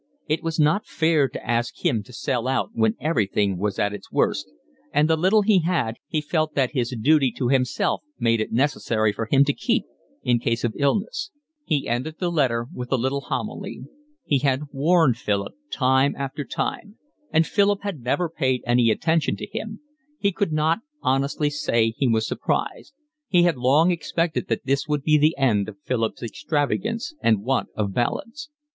It was not fair to ask him to sell out when everything was at its worst, and the little he had he felt that his duty to himself made it necessary for him to keep in case of illness. He ended the letter with a little homily. He had warned Philip time after time, and Philip had never paid any attention to him; he could not honestly say he was surprised; he had long expected that this would be the end of Philip's extravagance and want of balance.